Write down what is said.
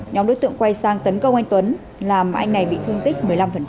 nhóm đối tượng quay sang tấn công anh tuấn làm anh này bị thương tích một mươi năm